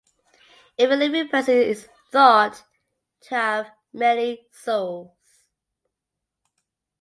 Every living person is thought to have many souls.